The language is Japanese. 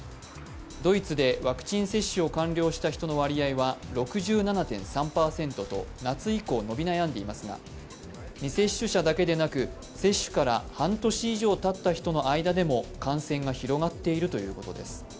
ドイツでワクチン接種を完了した人の割合は６７．３％と夏以降伸び悩んでいますが未接種者だけでなく接種から半年以上経った人の間でも感染が広がっているということです。